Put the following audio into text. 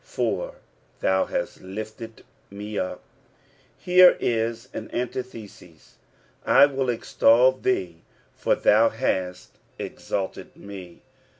" Fi>r tAou hut iifled tne vp" Here is an antithesis, " I will exalt thee, for thou liast exalted me."